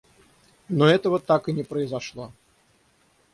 Но этого так и не произошло.